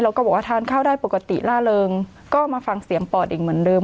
แล้วก็บอกว่าทานข้าวได้ปกติล่าเริงก็มาฟังเสียงปอดอีกเหมือนเดิม